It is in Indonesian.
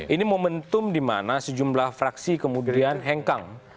ini momentum dimana sejumlah fraksi kemudian hengkang